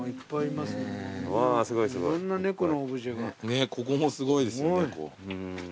ねっここもすごいですよ猫。